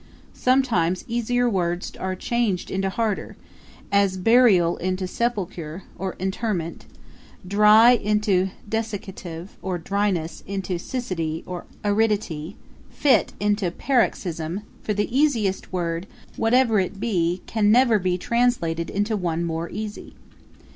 Sometimes easier words are changed into harder; as, burial, into sepulture or interment; dry, into desiccative; dryness, into siccity or aridity; fit, into paroxism; for the easiest word, whatever it be, can never be translated into one more easy.'